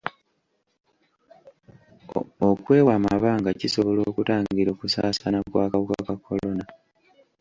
Okwewa amabanga kisobola okutangira okusaasaana kw'akawuka ka kolona.